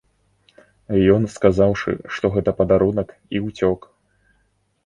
Ён сказаўшы, што гэта падарунак, і ўцёк.